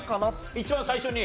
一番最初に？